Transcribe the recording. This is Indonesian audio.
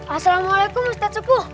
assalamualaikum ustadz sepuh